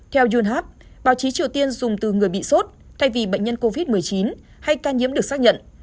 theo yonhap báo chí triều tiên dùng từ người bị sốt thay vì bệnh nhân covid một mươi chín hay ca nhiễm được xác nhận